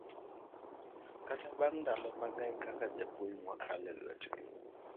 kata bang' ndalo mang'eny kaka jopuonj mawakalo e lwetgi,